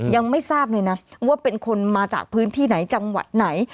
ยังไม่ทราบเลยนะว่าเป็นคนมาจากพื้นที่ไหนจังหวัดไหน